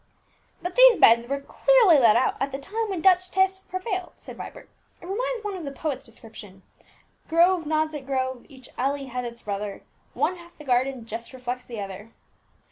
"But these beds were clearly laid out at the time when Dutch taste prevailed," said Vibert; "it reminds one of the poet's description, 'Grove nods at grove, each alley has its brother, One half the garden just reflects the other.'"